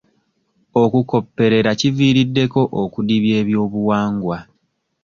Okukopperera kiviiriddeko okudibya ebyobuwangwa.